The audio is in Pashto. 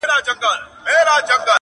په ډکي هدیرې دي نن سبا په کرنتین کي،